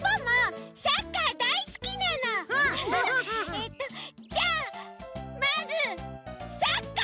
えっとじゃあまずサッカーやろう！